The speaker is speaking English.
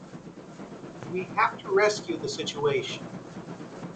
We have to rescue the situation.